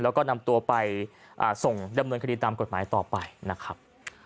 แล้วก็นำตัวไปส่งดำเนินคดีตามกฎหมายต่อไปนะครับ